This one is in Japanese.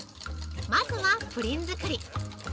まずはプリン作り。